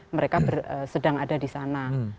mereka sedang ada di sana